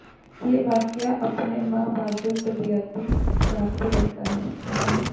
یہ واقعہ اپنے ما بعدالطبیعاتی اثرات بھی رکھتا ہے۔